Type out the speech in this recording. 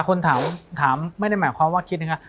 คนถามถามไม่ได้หมายความว่าคิดนะครับ